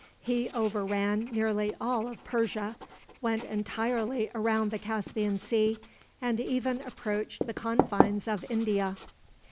He overran nearly all of Persia, went entirely around the Caspian Sea, and even approached the confines of India.